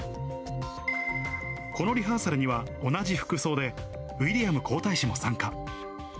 このリハーサルには、同じ服装でウィリアム皇太子も参加。